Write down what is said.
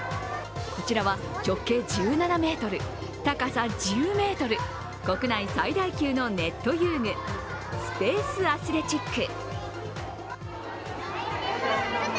こちらは直径１７ｍ、高さ１０ｍ国内最大級のネット遊具、スペースあすれちっく。